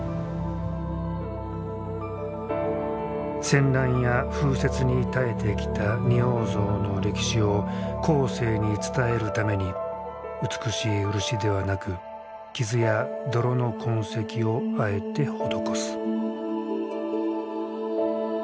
戦乱や風雪に耐えてきた仁王像の歴史を後世に伝えるために美しい漆ではなく傷や泥の痕跡をあえて施す。